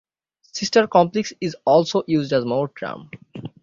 Sister complex is also used as moe term.